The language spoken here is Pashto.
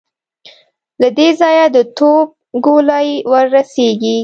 له دې ځايه د توپ ګولۍ ور رسېږي.